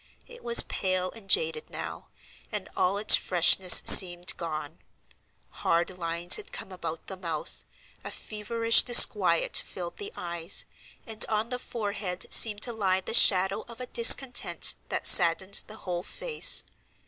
It was pale and jaded now, and all its freshness seemed gone; hard lines had come about the mouth, a feverish disquiet filled the eyes, and on the forehead seemed to lie the shadow of a discontent that saddened the whole face.